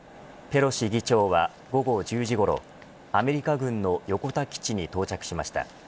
ペロシ議長は午後１０時ごろアメリカ軍の横田基地に到着しました。